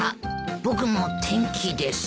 「僕も天気です」